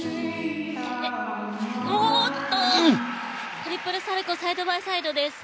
トリプルサルコウサイドバイサイドです。